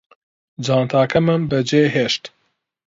جانتاکەمم بەجێهێشت